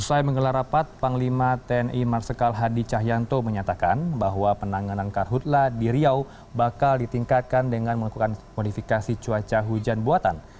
usai menggelar rapat panglima tni marsikal hadi cahyanto menyatakan bahwa penanganan karhutlah di riau bakal ditingkatkan dengan melakukan modifikasi cuaca hujan buatan